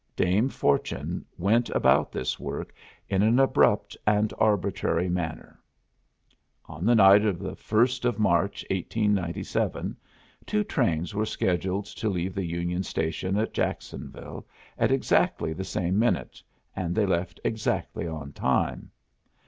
Dame Fortune went about this work in an abrupt and arbitrary manner. On the night of the 1st of March, 1897, two trains were scheduled to leave the Union Station at Jacksonville at exactly the same minute, and they left exactly on time.